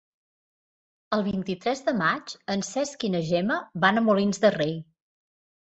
El vint-i-tres de maig en Cesc i na Gemma van a Molins de Rei.